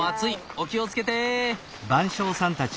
お気を付けて！